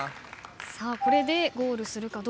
これでゴールするかどうか。